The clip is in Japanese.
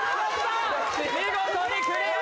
見事にクリア。